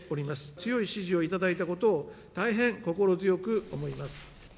強い支持を頂いたことを大変心強く思います。